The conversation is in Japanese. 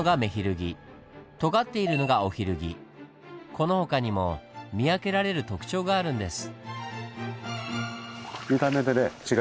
この他にも見分けられる特徴があるんです。